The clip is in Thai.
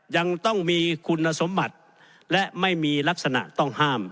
ยังต้องมีคุณสมบัติและไม่มีลักษณะต้องห้าม